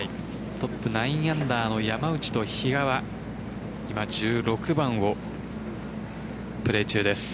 トップ９アンダーの山内と比嘉は今１６番をプレー中です。